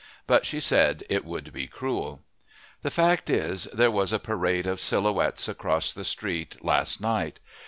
But she said it would be cruel. The fact is, there was a Parade of Silhouettes across the street last night.